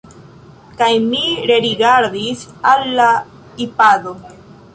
Kaj mi rerigardis al la Ipado.